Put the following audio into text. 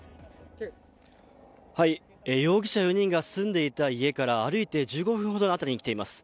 容疑者４人が住んでいた家から、歩いて１５分ほどの辺りに来ています。